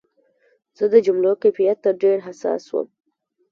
زه د جملو کیفیت ته ډېر حساس وم.